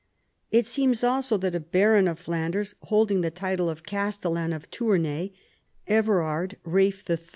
It seems also that a baron of Flanders holding the title of Castellan of Tournai — Everard Ralph III.